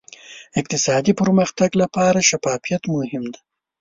اقتصادي پرمختګ لپاره شفافیت مهم دی.